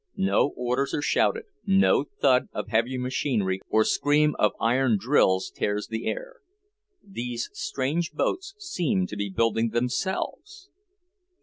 No orders are shouted, no thud of heavy machinery or scream of iron drills tears the air. These strange boats seem to be building themselves.